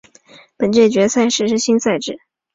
本届决赛实施新赛制。